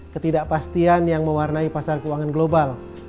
ketidakpastian yang mewarnai pasar keuangan global